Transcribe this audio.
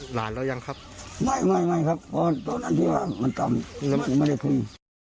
หลานเรายังครับไม่ไม่ไม่ครับตอนนั้นที่ว่ามันต่ำไม่ได้คุย